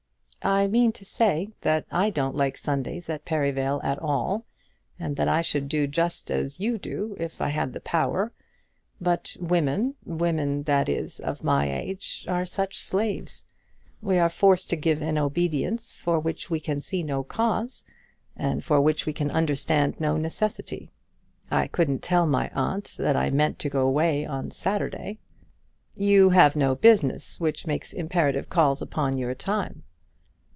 "I mean to say that I don't like Sundays at Perivale at all, and that I should do just as you do if I had the power. But women, women, that is, of my age, are such slaves! We are forced to give an obedience for which we can see no cause, and for which we can understand no necessity. I couldn't tell my aunt that I meant to go away on Saturday." "You have no business which makes imperative calls upon your time."